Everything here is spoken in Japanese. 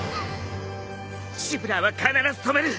シブラーは必ず止める！